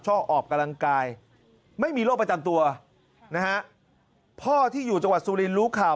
ออกกำลังกายไม่มีโรคประจำตัวนะฮะพ่อที่อยู่จังหวัดสุรินทร์รู้ข่าว